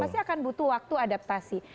pasti akan butuh waktu adaptasi